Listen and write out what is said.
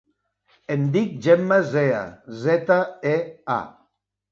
Em dic Gemma Zea: zeta, e, a.